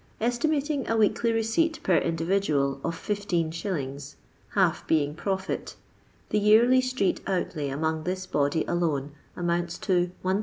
Estimating a weekly receipt, per individual, of 15*. (half being profit), the yearly street outlay among this body alone amounts to 1950